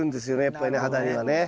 やっぱりねハダニはね。